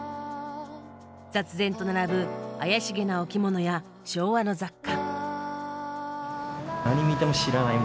雑然と並ぶ怪しげな置物や昭和の雑貨。